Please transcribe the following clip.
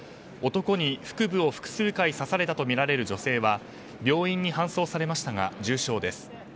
男に腹部を複数回刺されたとみられる女性は病院に搬送されましたが重傷です。